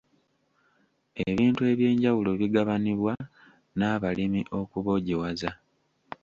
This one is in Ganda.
Ebintu eby'enjawulo bigabanibwa n'abalimi okuboogiwaza.